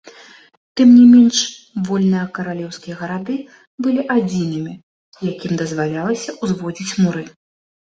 Тым не менш, вольныя каралеўскія гарады былі адзінымі, якім дазвалялася ўзводзіць муры.